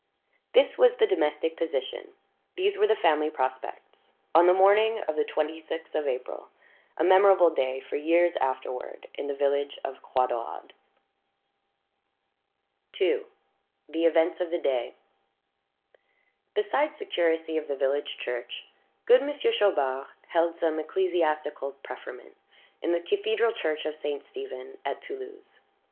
This was the domestic position, these were the family prospects, on the morning of the twenty sixth of April a memorable day, for years afterward, in the village of Croix Daurade. II. THE EVENTS OF THE DAY Besides the curacy of the village church, good Monsieur Chaubard held some ecclesiastical preferment in the cathedral church of St. Stephen at Toulouse.